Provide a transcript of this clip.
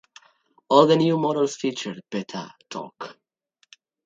All the new models featured better torque.